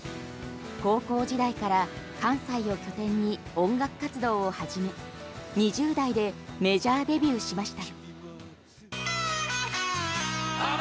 高校時代から関西を拠点に音楽活動を始め２０代でメジャーデビューしました。